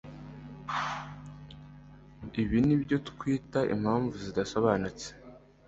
ibi nibyo twita impamvu zidasobanitse